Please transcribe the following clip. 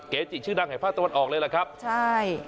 เกติล์ชื่อนางไหยพระตะวันออกเลยหรอครับใช่